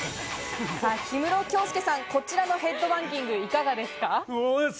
氷室京介さん、こちらのヘッドバンギングいかがですか？